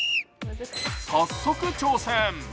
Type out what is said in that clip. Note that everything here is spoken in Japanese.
早速挑戦。